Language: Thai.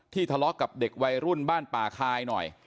ทะเลาะกับเด็กวัยรุ่นบ้านป่าคายหน่อย